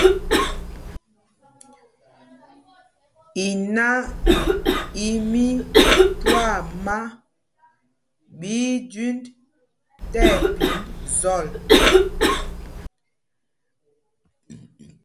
Inâ í mí twaama ɓí í jüind tí ɛpind zɔl.